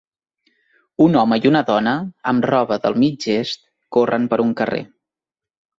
Un home i una dona, amb roba del mig-est, corren per un carrer.